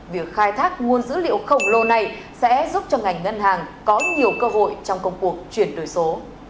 việc khai thác nguồn dữ liệu khổng lồ này sẽ giúp cho ngành ngân hàng có nhiều cơ hội trong công cuộc chuyển đổi số